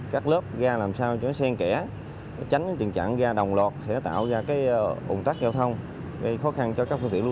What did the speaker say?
các lớp ra làm sao cho nó sen kẻ